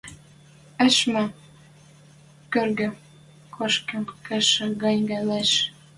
Ышма кӧргӹ кошкен кешӹ гань ылеш.